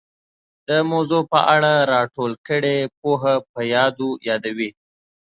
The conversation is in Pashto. د موضوع په اړه را ټوله کړې پوهه په یادو یادوي